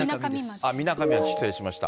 みなかみ町、失礼しました。